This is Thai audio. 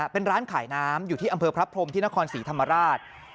เป็นร้านขายน้ำอยู่ที่อำเภอพระพรมที่นครศรีธรรมราช